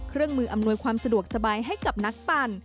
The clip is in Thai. เครื่องมืออำนวยความสะดวกสบายให้กับนักปั่น